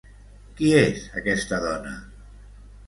Qui és aquesta dona?